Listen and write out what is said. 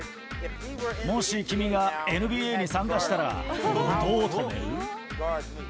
もし君がＮＢＡに参加したら僕をどう止める？